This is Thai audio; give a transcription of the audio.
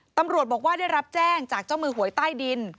ตำรวจบอกว่าได้รับแจ้งจากเจ้ามือหวยใต้ดิน